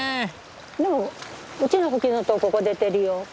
でもうちのフキノトウここ出てるよ。